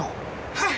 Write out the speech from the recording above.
はい。